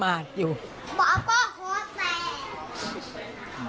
บ่าพ่อโฮแสน